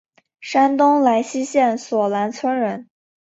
山东莱西县索兰村人。